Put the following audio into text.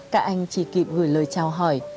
cả anh chỉ kịp gửi lời chào hỏi